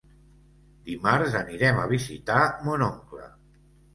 Dimarts anirem a visitar mon oncle.